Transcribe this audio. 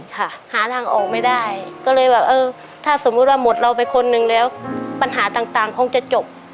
หาทางออกไม่ได้ก็เลยแบบเออถ้าสมมุติว่าหมดเราไปคนหนึ่งแล้วปัญหาต่างคงจะจบ